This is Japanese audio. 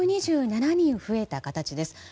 ５２７人、増えた形です。